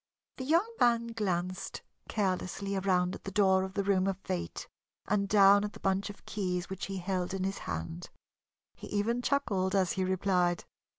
The young man glanced carelessly around at the door of the room of Fate and down at the bunch of keys which he held in his hand. He even chuckled as he replied.